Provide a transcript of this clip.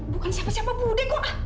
bukan siapa siapa budi kok